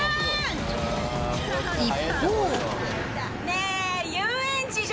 一方。